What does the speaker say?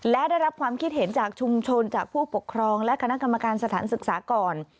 และได้รับความคิดเห็นจากชุมชนจากผู้ปกครองและคณะกรรมการสถานศึกษาก่อน